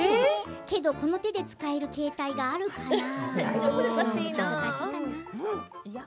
けど、この手で使える携帯があるかな？